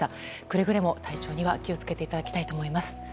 くれぐれも体調には気を付けていただきたいと思います。